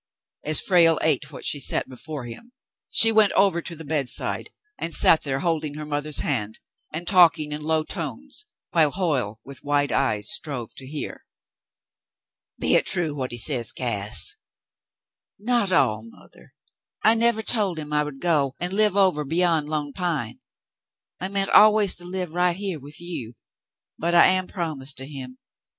As Frale ate what she set before him, she went over to the bedside, and sat there holding her mother's hand and talking in low tones, while Hoyle, with wide eyes, strove to hear. "Be hit true, what he says, Cass.^" "Not all, mother. I never told him I would go and live over beyond Lone Pine. I meant always to live right here with you, but I am promised to him.